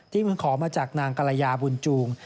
ที่มึงขอมาจากนางกาลายาบุญจูง